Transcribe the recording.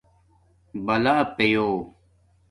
بلا پیو